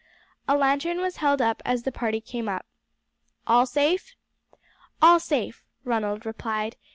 A lantern was held up as the party came up. "All safe?" "All safe," Ronald replied.